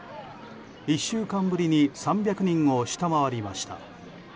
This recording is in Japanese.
１週間ぶりに３００人を下回りました。